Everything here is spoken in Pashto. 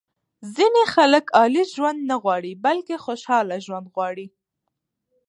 ځینې خلک عالي ژوند نه غواړي بلکې خوشاله ژوند غواړي.